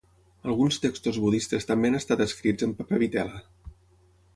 Alguns textos budistes també han estat escrits en paper vitel·la.